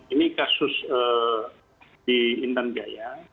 ini kasus di intan jaya